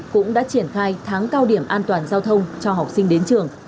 cũng đã triển khai tháng cao điểm an toàn giao thông cho học sinh đến trường